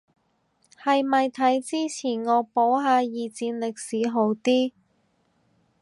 係咪睇之前惡補下二戰歷史好啲